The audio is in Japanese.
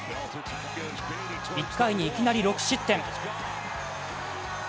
１回に、いきなり６失点。